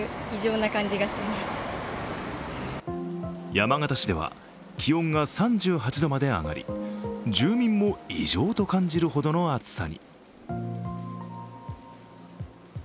山形市では気温が３８度まで上がり住民も異常と感じるほどの暑さに。